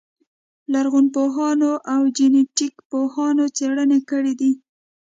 لرغونپوهانو او جنټیک پوهانو څېړنې کړې دي.